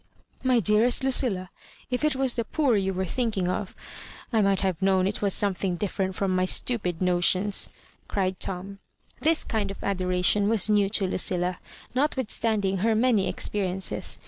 " My dearest Lucilla, if it was the poor you were thinking of! — ^I might have known it was eomething d&drent from my stupid notions," cried TouL This kind of adoration was new to Lucilla^ notwithstanding her many expe riences.